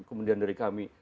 kemudian dari kami